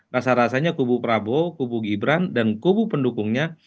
rasa rasanya kubu prabowo kubu gibran dan kubu pendukungnya